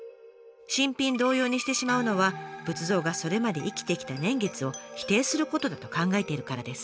新品同様にしてしまうのは仏像がそれまで生きてきた年月を否定することだと考えているからです。